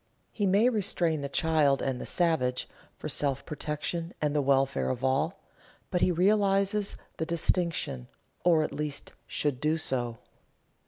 He may restrain the child and the savage, for self protection and the welfare of all, but he realizes the distinction, or at least should do so.